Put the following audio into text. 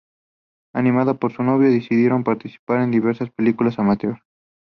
Animada por su novio, decidieron participar en diversas películas "amateur".